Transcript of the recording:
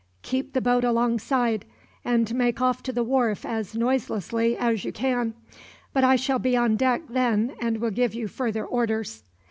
Keep the boat alongside, and make off to the wharf as noiselessly as you can; but I shall be on deck, then, and will give you further orders."